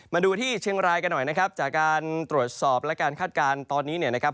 มาดูที่เชียงรายกันหน่อยนะครับจากการตรวจสอบและการคาดการณ์ตอนนี้เนี่ยนะครับ